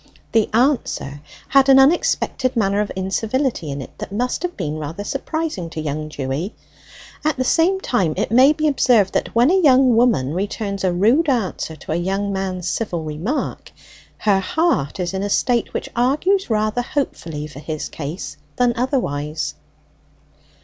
The answer had an unexpected manner of incivility in it that must have been rather surprising to young Dewy. At the same time it may be observed, that when a young woman returns a rude answer to a young man's civil remark, her heart is in a state which argues rather hopefully for his case than otherwise.